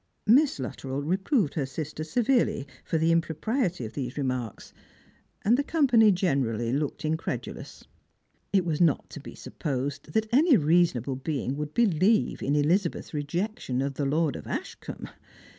Miss Luttrell reproved her sister severely for the impropriety of these remarks, and the company generally looked incredulous. It was not to be supposed that any reasonable being would believe in Elizabeth's rejection of the Lord of Ashcombe.